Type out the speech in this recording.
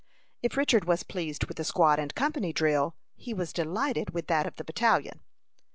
If Richard was pleased with the squad and company drill, he was delighted with that of the battalion.